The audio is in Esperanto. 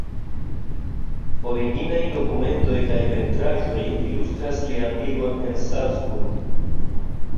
Originaj dokumentoj kaj pentraĵoj ilustras lian vivon en Salzburg.